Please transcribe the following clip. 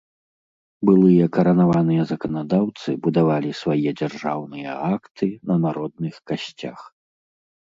Былыя каранаваныя заканадаўцы будавалі свае дзяржаўныя акты на народных касцях.